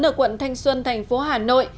ở quận thanh xuân thành phố hà nội